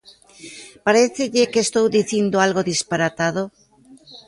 ¿Parécelle que estou dicindo algo disparatado?